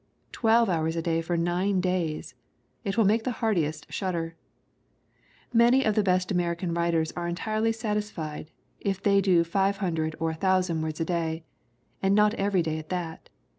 Twelve hours a day for nine days it will make the hardiest shudder. Many of the best American writers are entirely satis fied if they do $00 or 1,000 words a day and not every day at that.